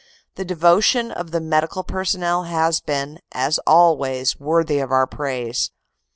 The devotion of the Medical personnel has been, as always, worthy of our praise.